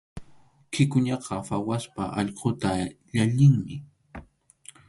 Wikʼuñaqa phawaspa allquta llallinmi.